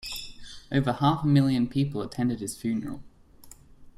Over half a million people attended his funeral.